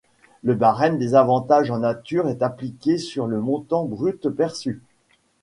Le barème des avantages en nature est appliqué sur le montant brut perçu.